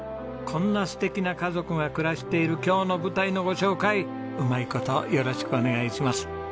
こんな素敵な家族が暮らしている今日の舞台のご紹介ウマい事よろしくお願いします。